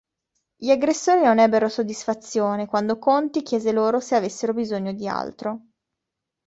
Gli aggressori non ebbero soddisfazione quando Conti chiese loro se avessero bisogno di altro.